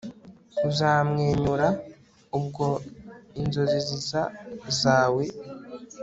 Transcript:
Uzamwenyura ubwo inzozi ziza zawe